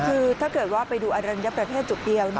คือถ้าเกิดว่าไปดูอรัญญประเทศจุดเดียว